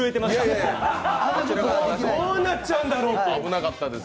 どうなっちゃうんだろうと。